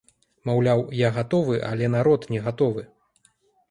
Маўляў, я гатовы, але народ не гатовы.